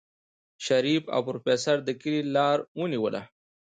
شريف او پروفيسر د کلي لار ونيوله.